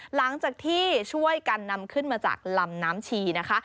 หลังจากที่ช่วยกันนำขึ้นมาจากลำน้ำชีนะคะ